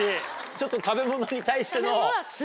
ちょっと食べ物に対しての。